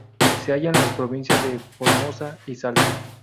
Se halla en las provincias de Formosa y Salta.